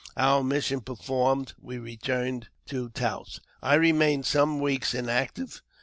Our mission performed, we returned to Taos. I remained some weeks inactive.